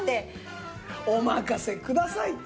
お任せくださいって。